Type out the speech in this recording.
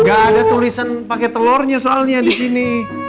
nggak ada tulisan pake telurnya soalnya disini